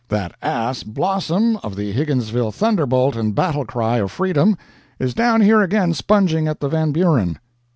That ass, Blossom, of the Higginsville Thunderbolt and Battle Cry of Freedom, is down here again sponging at the Van Buren.